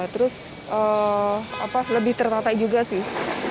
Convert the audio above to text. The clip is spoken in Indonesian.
terus lebih tertata juga sih